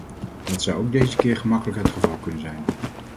Dat zou ook deze keer gemakkelijk het geval kunnen zijn.